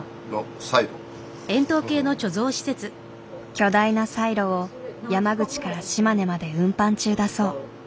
巨大なサイロを山口から島根まで運搬中だそう。